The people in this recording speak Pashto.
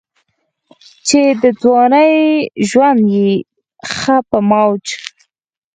چې دَځوانۍ ژوند ئې ښۀ پۀ موج